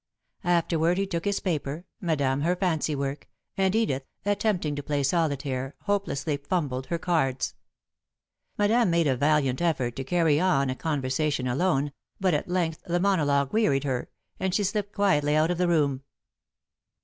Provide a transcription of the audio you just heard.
Afterward he took his paper, Madame her fancy work, and Edith, attempting to play solitaire, hopelessly fumbled her cards. Madame made a valiant effort to carry on a conversation alone, but at length the monologue wearied her, and she slipped quietly out of the room.